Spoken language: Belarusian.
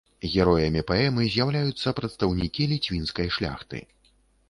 Героямі паэмы з'яўляюцца прадстаўнікі ліцвінскай шляхты.